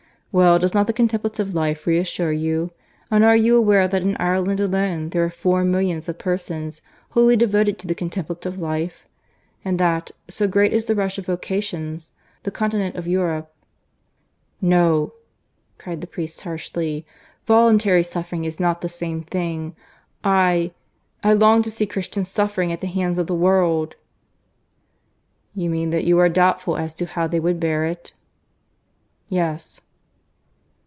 ... Well, does not the Contemplative Life reassure you? And are you aware that in Ireland alone there are four millions of persons wholly devoted to the Contemplative Life? And that, so great is the rush of vocations, the continent of Europe " "No," cried the priest harshly. "Voluntary suffering is not the same thing. ... I ... I long to see Christians suffering at the hands of the world." "You mean that you are doubtful as to how they would bear it?" "Yes."